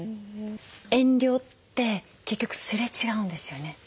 遠慮って結局すれ違うんですよね。